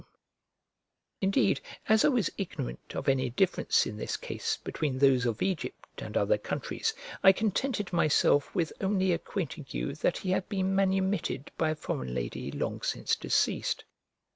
I confess, indeed, as I was ignorant of any difference in this case between those of Egypt and other countries, I contented myself with only acquainting you that he had been manumitted by a foreign lady long since deceased.